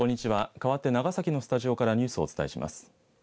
かわって長崎のスタジオからニュースをお伝えします。